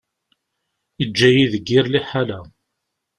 Yeǧǧa-yi deg yir liḥala.